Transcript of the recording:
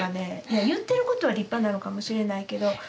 いや言ってることは立派なのかもしれないけど。